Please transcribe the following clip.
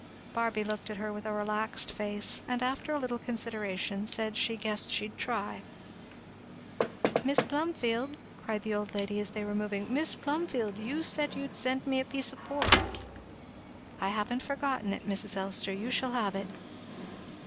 Barby looked at her with a relaxed face, and after a little consideration said "she guessed she'd try." "Mis' Plumfield," cried the old lady as they were moving, "Mis' Plumfield, you said you'd send me a piece of pork." "I haven't forgotten it, Mrs. Elster you shall have it."